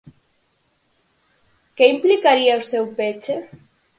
Que implicaría o seu peche?